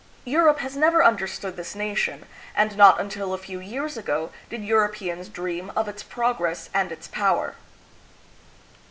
Europe has never understood this nation, and not until a few years ago did Europeans dream of its progress and its power.